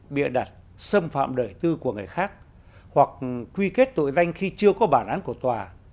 bịa đặt xâm phạm đời tư của người khác hoặc quy kết tội danh khi chưa có bản án của tòa